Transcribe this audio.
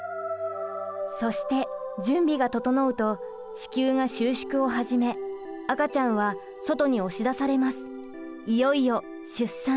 そして準備が整うと子宮が収縮を始め赤ちゃんは外に押し出されます。